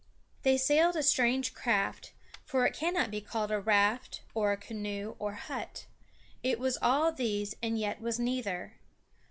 They sailed a strange craft, for it cannot be called raft or canoe or hut. It was all these and yet was neither.